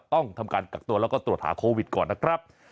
ต้องทำการกักตัวแล้วก็ตรวจหาโควิดก่อนนะครับ